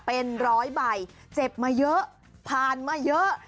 เป็นร้อยใบเจ็บมาเยอะผ่านมาเยอะ